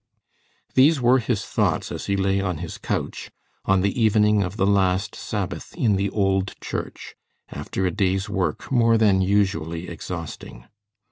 These were his thoughts as he lay on his couch, on the evening of the last Sabbath in the old church, after a day's work more than usually exhausting.